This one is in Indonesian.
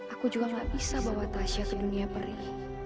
aku juga gak bisa bawa tasya ke dunia peri